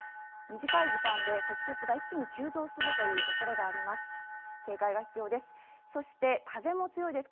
短い時間で積雪が一気に急増するおそれがあります。